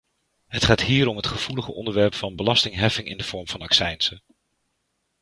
Het gaat hier om het gevoelige onderwerp van belastingheffing in de vorm van accijnzen.